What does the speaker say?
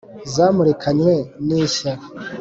Zamurikanywe n’ishya